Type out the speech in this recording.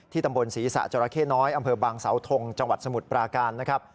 ตำบลศรีษะจราเข้น้อยอำเภอบางสาวทงจังหวัดสมุทรปราการนะครับ